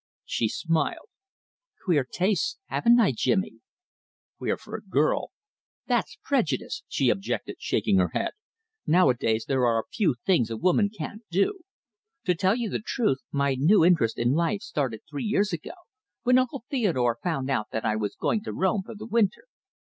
She smiled. "Queer tastes, haven't I, Jimmy?" "Queer for a girl." "That's prejudice," she objected, shaking her head. "Nowadays there are few things a woman can't do. To tell you the truth, my new interest in life started three years ago, when Uncle Theodore found out that I was going to Rome for the winter."